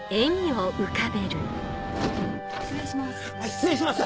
失礼します。